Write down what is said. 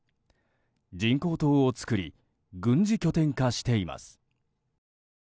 人工島を造り軍事拠点化しています。